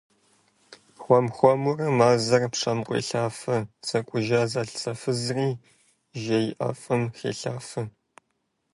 Хуэм хуэмурэ мазэр пшэм къуелъафэ, зэкӏужа зэлӏзэфызри жей ӏэфӏым хелъафэ.